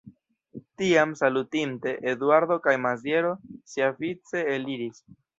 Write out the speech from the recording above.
Tiam, salutinte, Eduardo kaj Maziero siavice eliris.